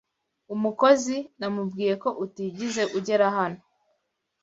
Umukozi – “Namubwiye ko utigeze ugera hano.